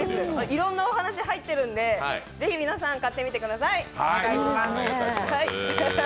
いろんなお話が入っているので、ぜひ皆さん、買ってください。